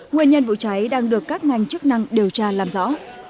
nguyên nhân vụ cháy đang được các ngành chức năng điều tra làm rõ